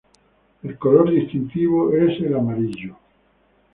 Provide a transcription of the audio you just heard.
El color distintivo es el amarillo.